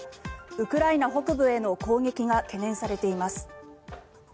ウクライナ北部への攻撃が懸念されています。